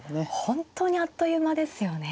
本当にあっという間ですよね。